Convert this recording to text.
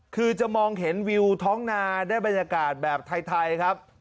คือจะมองเห็นวิวท้องนาได้บรรยากาศแบบไทยครับ